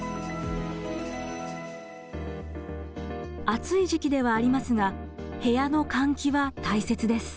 暑い時期ではありますが部屋の換気は大切です。